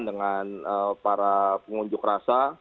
dengan para pengunjuk rasa